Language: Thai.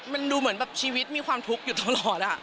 มันดูเหมือนแบบชีวิตมีความทุกข์อยู่ตลอด